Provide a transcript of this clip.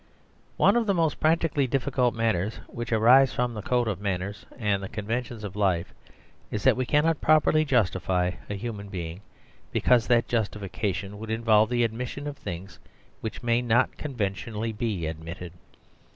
One of the most practically difficult matters which arise from the code of manners and the conventions of life, is that we cannot properly justify a human being, because that justification would involve the admission of things which may not conventionally be admitted.